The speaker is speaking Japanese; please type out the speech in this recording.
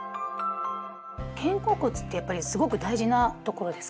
肩甲骨ってやっぱりすごく大事なところですか？